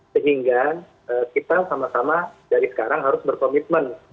sehingga kita sama sama dari sekarang harus berkomitmen